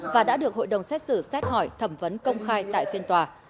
và đã được hội đồng xét xử xét hỏi thẩm vấn công khai tại phiên tòa